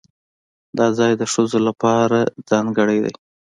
دا ځای د ښځو لپاره ځانګړی دی.